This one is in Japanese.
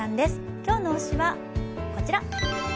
今日の推しはこちら。